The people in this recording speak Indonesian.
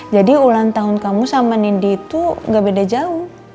jadi ulang tahun kamu sama nindi itu nggak beda jauh